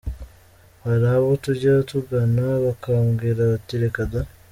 Hari abo tujya tuvugana bakambwira bati “ Reka daaaa!